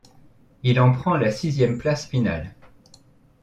Il en prend la sixième place finale.